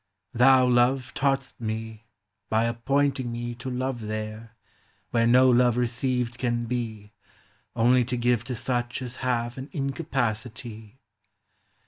Thou, Love, taught'st me, by appointing me To love there, where no love received can be, Only to give to such as have an incapacity.